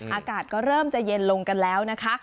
อากาศก็เริ่มจะเย็นลงกันแล้วนะคะ